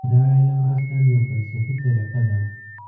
دا علم اصلاً یوه فلسفي طریقه ده.